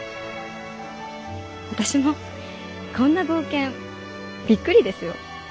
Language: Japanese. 私もこんな冒険びっくりですよ。